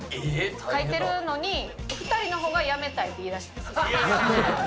書いてるのに、２人のほうが辞めたいって言いだした。